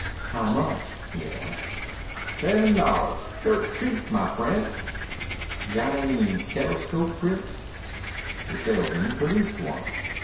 "How much?" he asked. "Seven dollars. Dirt sheap, my frient." "Got any telescope grips?" The salesman produced one.